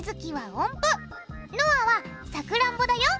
のあはさくらんぼだよ